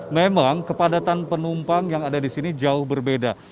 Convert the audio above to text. memang kepadatan penumpang yang ada di sini jauh berbeda